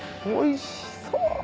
おいしそう！